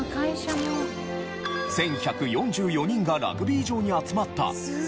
１１４４人がラグビー場に集まったセコム。